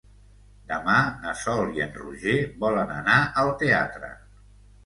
Demà na Sol i en Roger volen anar al teatre.